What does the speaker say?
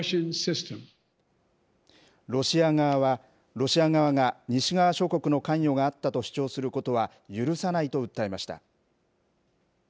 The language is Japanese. ロシア側が西側諸国の関与があったと主張することは許さないと訴えました。